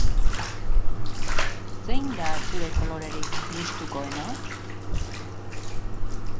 Zein da zure kolorerik gustukoena?